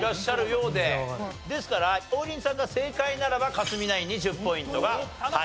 ですから王林さんが正解ならば克実ナインに１０ポイントが入ります。